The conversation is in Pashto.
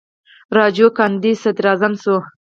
راجیو ګاندي صدراعظم شو.